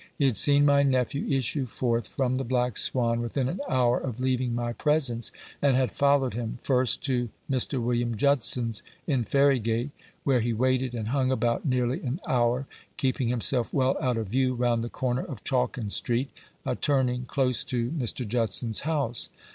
He had seen my nephew issue forth from the Black Swan within an hour of leaving my presence, and had followed him, first to Mr. William Judson's in Ferrygate, where he waited and hung about nearly an hour, keeping himself well out of view round the corner of Chalkin Street, a turning close to Mr. Judson's house.